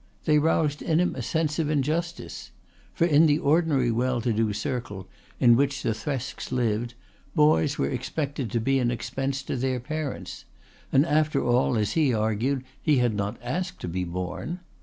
They roused in him a sense of injustice. For in the ordinary well to do circle, in which the Thresks lived, boys were expected to be an expense to their parents; and after all, as he argued, he had not asked to be born.